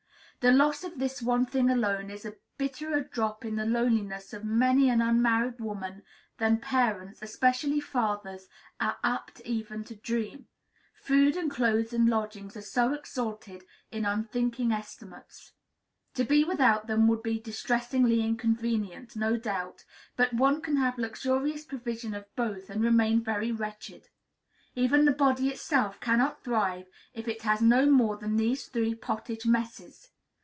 The loss of this one thing alone is a bitterer drop in the loneliness of many an unmarried woman than parents, especially fathers, are apt even to dream, food and clothes and lodgings are so exalted in unthinking estimates. To be without them would be distressingly inconvenient, no doubt; but one can have luxurious provision of both and remain very wretched. Even the body itself cannot thrive if it has no more than these three pottage messes!